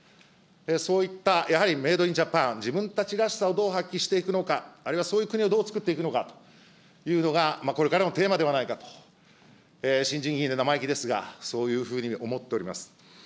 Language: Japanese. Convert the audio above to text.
そういったやはりメイドインジャパン、自分たちらしさをどう発揮していくのか、あるいはそういう国をどうつくっていくのかというのが、これからのテーマではないかと、新人議員で生意気ですが、そういうふうに思っております。